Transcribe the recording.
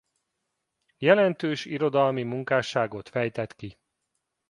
Jelentős irodalmi munkásságot fejtett ki.